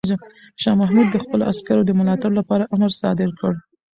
شاه محمود د خپلو عسکرو د ملاتړ لپاره امر صادر کړ.